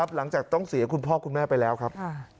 หลังจากต้องเสียคุณพ่อคุณแม่ไปแล้วครับ